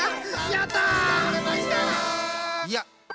やった！